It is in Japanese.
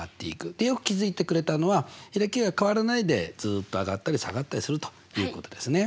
でよく気付いてくれたのは開きが変わらないでずっと上がったり下がったりするということですね。